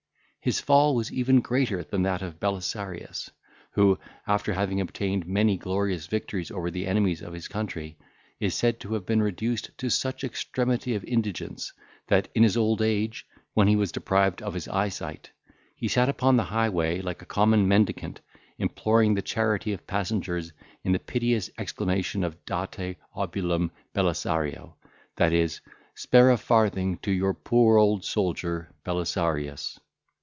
His fall was even greater than that of Belisarius, who, after having obtained many glorious victories over the enemies of his country, is said to have been reduced to such extremity of indigence, that, in his old age, when he was deprived of his eyesight, he sat upon the highway like a common mendicant, imploring the charity of passengers in the piteous exclamation of Date obolum Belisario; that is, "Spare a farthing to your poor old soldier Belisarius."